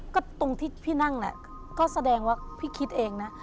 ก็ตรงที่พี่นั่งแหละก็แสดงว่าพี่คิดเองนะ